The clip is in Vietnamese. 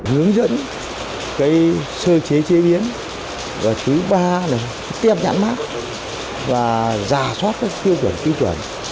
hướng dẫn cái sơ chế chế biến thứ ba là tiếp nhận mắt và giả soát các tiêu chuẩn tiêu chuẩn